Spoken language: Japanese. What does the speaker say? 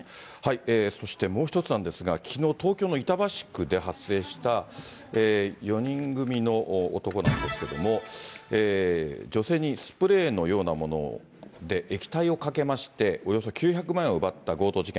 そして、もう１つなんですが、きのう東京の板橋区で発生した４人組の男なんですけれども、女性にスプレーのようなもので、液体をかけまして、およそ９００万円を奪った強盗事件。